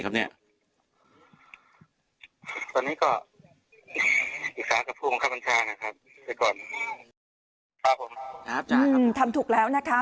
ครับผมจ่ายครับผมจ่ายครับผมอืมทำถูกแล้วนะคะ